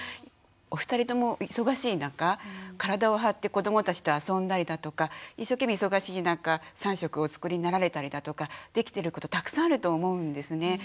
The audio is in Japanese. お二人とも忙しい中体を張って子どもたちと遊んだりだとか一生懸命忙しい中３食をお作りになられたりだとかできてることたくさんあると思うんですね。